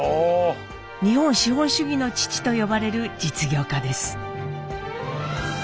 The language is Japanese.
「日本資本主義の父」と呼ばれる実業家です。